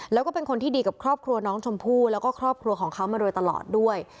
แล้วก็เป็นคนที่ดีกับครอบครัวน้องชมพู่แล้วก็ครอบครัวของเขามาโดยตลอดด้วย